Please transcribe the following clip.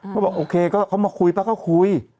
บอกโอเคก็เขามาคุยป๊าก็คุย